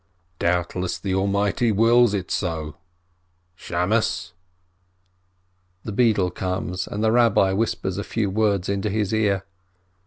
Doubtless the Almighty wills it so ! Beadle !" The beadle comes, and the Rabbi whispers a few words into his ear.